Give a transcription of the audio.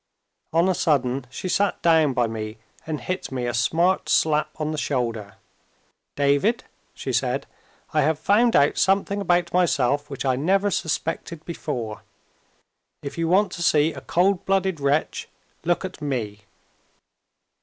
On a sudden, she sat down by me, and hit me a smart slap on the shoulder. "David!" she said, "I have found out something about myself which I never suspected before. If you want to see a cold blooded wretch, look at me!"